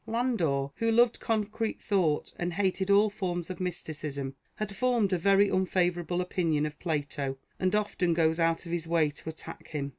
Landor, who loved concrete thought and hated all forms of mysticism, had formed a very unfavourable opinion of Plato, and often goes out of his way to attack him.